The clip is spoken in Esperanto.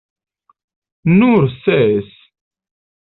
Nur ses!